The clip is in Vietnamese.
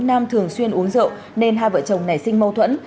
nam thường xuyên uống rượu nên hai vợ chồng nảy sinh mâu thuẫn